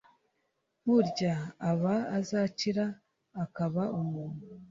Burya aba azakira akaba umuntu